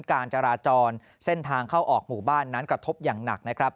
การจราจรเส้นทางเข้าออกหมู่บ้านนั้นกระทบอย่างหนักนะครับ